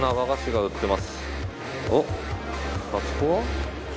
おっあそこは？